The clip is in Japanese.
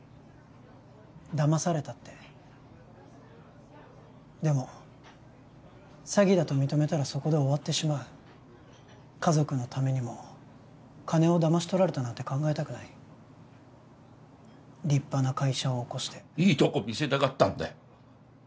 だまされたってでも詐欺だと認めたらそこで終わってしまう家族のためにも金をだまし取られたなんて考えたくない立派な会社を起こしていいとこ見せたかったんだよ